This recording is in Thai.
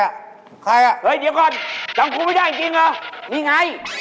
วันหลังออกมากันอีกน่ะ